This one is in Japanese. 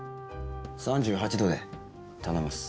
３８度で頼みます。